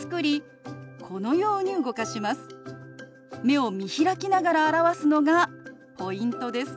目を見開きながら表すのがポイントです。